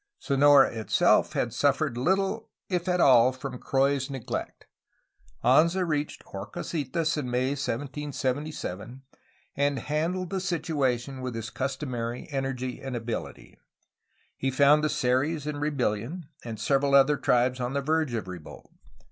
Sonora itself had suffered little if at all from Croix's neglect. Anza reached Horcasitas in May 1777, and handled the situation with his customary energy and abihty. He foimd the Seris in rebellion and several other tribes on the verge of revolt.